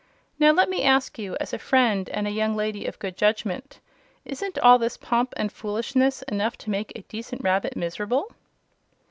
Now let me ask you, as a friend and a young lady of good judgment: isn't all this pomp and foolishness enough to make a decent rabbit miserable?"